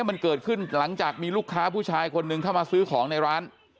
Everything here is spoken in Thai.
มันเกิดขึ้นหลังจากมีลูกค้าผู้ชายคนหนึ่งเข้ามาซื้อของในร้าน